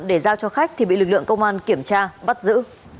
để giao cho khách thì bị lực lượng công an kiểm tra bắt giữ